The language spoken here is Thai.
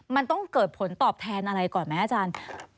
มันต้องเกิดผลตอบแทนอะไรก่อนไหมอาจารย์